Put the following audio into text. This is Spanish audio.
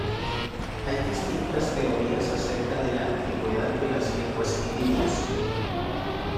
Hay distintas teorías acerca de la antigüedad de las lenguas ilirias.